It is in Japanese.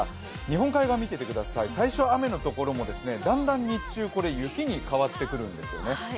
日本海側を見てください、最初雨のところもだんだん日中雪に変わってくるんですよね。